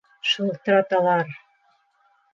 Шылтыраталар!...